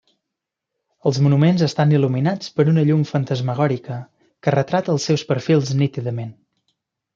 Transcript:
Els monuments estan il·luminats per una llum fantasmagòrica que retrata els seus perfils nítidament.